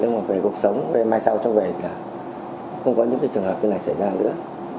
nếu mà về cuộc sống về mai sau cháu về thì không có những trường hợp như này xảy ra nữa